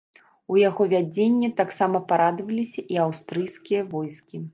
У яго вядзенне таксама перадаваліся і аўстрыйскія войскі.